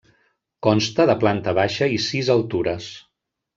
Consta de planta baixa i sis altures.